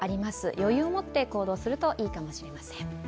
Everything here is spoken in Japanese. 余裕を持って行動するといいかもしれません。